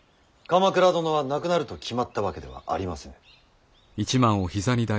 鎌倉殿は亡くなると決まったわけではありません。